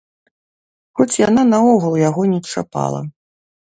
Хоць яна наогул яго не чапала!